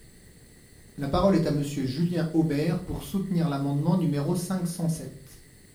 La parole est à Monsieur Julien Aubert, pour soutenir l’amendement numéro cinq cent sept.